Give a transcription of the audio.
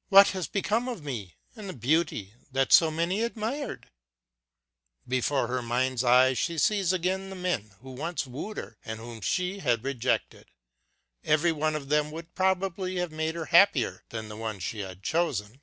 " What has become of me and the beauty that so many admired ?" Before her mind's eye she sees again the men who once wooed her and whom she had rejected. Every one of them would probably have made her happier than the one she had chosen